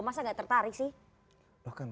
masa gak tertarik sih